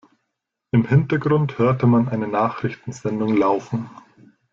Im Hintergrund hört man eine Nachrichtensendung laufen.